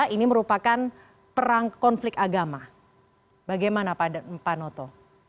ini merupakan perang konflik agama bagaimana pak noto